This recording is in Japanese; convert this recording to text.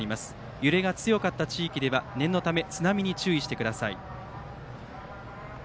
揺れが強かった地域では念のため津波に注意してください。